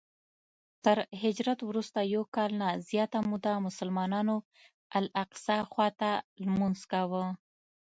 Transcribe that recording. تر هجرت وروسته یو کال نه زیاته موده مسلمانانو الاقصی خواته لمونځ کاوه.